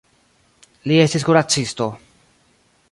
Li estis kuracisto.